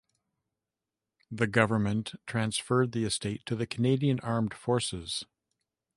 The government transferred the estate to the Canadian Armed Forces.